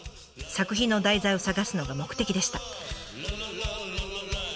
作品の題材を探すのが目的でした。